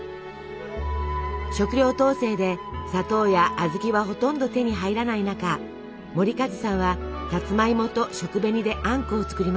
食糧統制で砂糖や小豆はほとんど手に入らない中守一さんはサツマイモと食紅であんこを作りました。